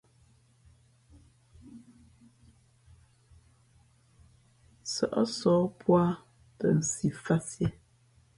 Sα̌ʼ sǒh pō ā ,tα nsi fāt siē.